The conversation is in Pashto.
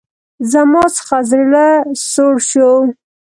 زما څخه زړه سوړ شو.